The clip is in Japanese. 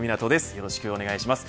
よろしくお願いします